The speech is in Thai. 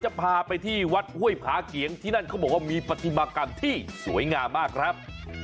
จะพาไปที่วัดห้วยผาเกียงที่นั่นเขาบอกว่ามีปฏิมากรรมที่สวยงามมากครับ